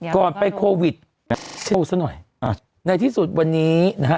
ก่อนไปโควิดเวิลเซโ้เซ่หน่อยในที่สุดวันนี้นะฮะ